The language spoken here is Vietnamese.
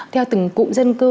theo từng cụm dân cư